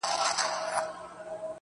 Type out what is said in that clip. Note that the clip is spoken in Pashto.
زموږ وطن كي اور بل دی,